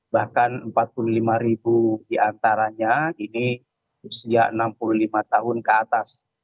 bahkan empat puluh lima ribu diantaranya ini usia enam puluh lima tahun ke atas